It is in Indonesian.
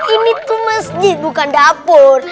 ini tuh masjid bukan dapur